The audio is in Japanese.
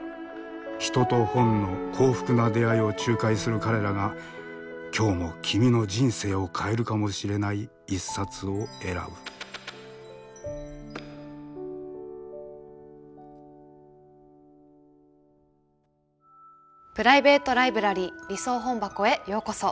人と本の幸福な出会いを仲介する彼らが今日も君の人生を変えるかもしれない一冊を選ぶプライベート・ライブラリー理想本箱へようこそ。